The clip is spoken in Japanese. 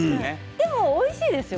でも、おいしいですよね。